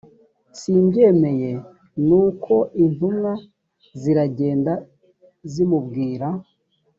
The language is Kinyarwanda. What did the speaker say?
simbyemeye nuko intumwa ziragenda zimubwira